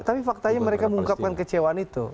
tapi faktanya mereka mengungkapkan kecewaan itu